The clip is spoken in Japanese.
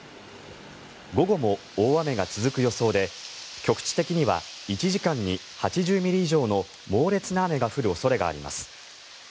午後も大雨が続く予想で局地的には１時間に８０ミリ以上の猛烈な雨が降る恐れもあります。